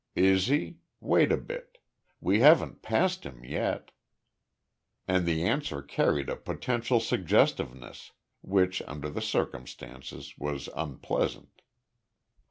"Is he? Wait a bit. We haven't passed him yet." And the answer carried a potential suggestiveness, which, under the circumstances, was unpleasant.